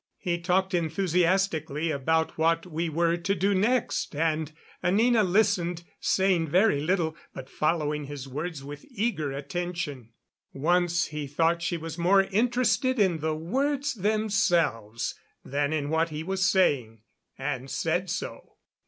He talked enthusiastically about what we were to do next, and Anina listened, saying very little, but following his words with eager attention. Once he thought she was more interested in the words themselves than in what he was saying, and said so.